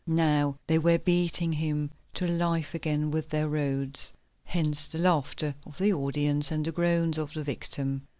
Now they were beating him to life again with their rods; hence the laughter of the audience and the groans of the victim.